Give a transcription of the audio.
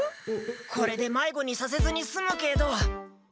これでまいごにさせずにすむけど。